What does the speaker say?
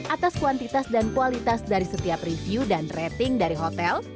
atas kuantitas dan kualitas dari setiap review dan rating dari hotel